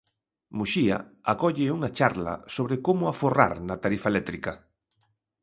Muxía acolle unha charla sobre a como aforrar na tarifa eléctrica.